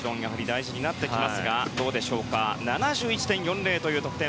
飛び出す方向も大事になってきますが７１．４０という得点。